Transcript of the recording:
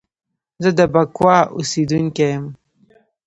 زه د بکواه اوسیدونکی یم